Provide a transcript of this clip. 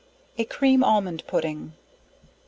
A Cream Almond Pudding.